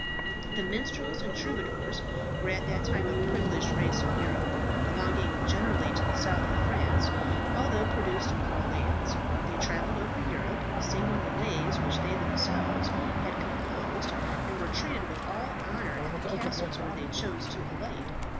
The minstrels and troubadours were at that time a privileged race in Europe, belonging generally to the south of France, although produced in all lands. They travelled over Europe singing the lays which they themselves had composed, and were treated with all honour at the castles where they chose to alight.